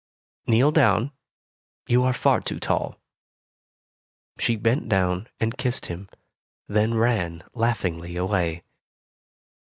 Kneel down. You are far too tall." She bent down and kissed him, then ran laughingly away.